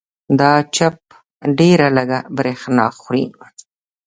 دا چپ ډېره لږه برېښنا خوري.